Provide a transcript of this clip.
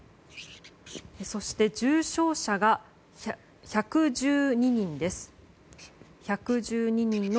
そして重症者が１１２人です。